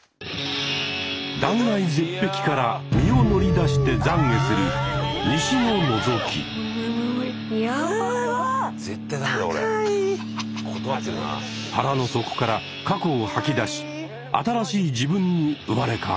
断崖絶壁から身を乗り出してざんげする腹の底から過去を吐き出し新しい自分に生まれ変わります。